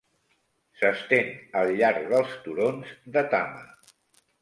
S'estén al llarg dels turons de Tama.